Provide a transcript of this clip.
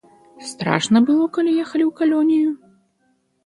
Страшна было, калі ехалі ў калонію?